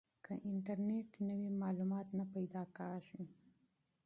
که انټرنیټ نه وي معلومات نه پیدا کیږي.